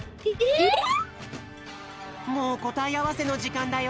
もうこたえあわせのじかんだよ。